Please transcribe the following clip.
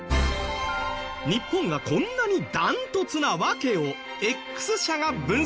日本がこんなにダントツな訳をＸ社が分析。